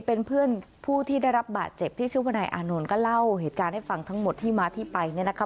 เป็นเพื่อนผู้ที่ได้รับบาดเจ็บที่ชื่อว่านายอานนท์ก็เล่าเหตุการณ์ให้ฟังทั้งหมดที่มาที่ไปเนี่ยนะคะ